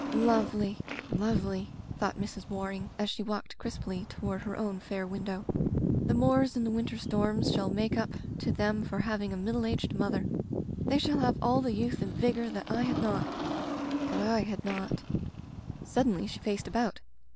"Lovely — ^lovely/' thought Mrs. Waring as she walked crisply toward her own fair window. "The moors and the winter storms shall make up to them for having a middle aged mother. They shall have all the youth and vigor that I had not — that I had not. Suddenly she faced about.